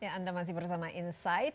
ya anda masih bersama insight